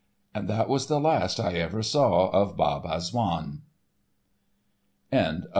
And that was the last I ever saw of Bab Azzoun.